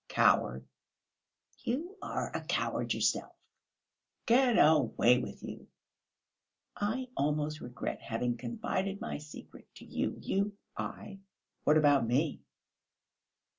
"Coward!" "You are a coward yourself!" "G et a way with you!" "I almost regret having confided my secret to you; you...." "I what about me?"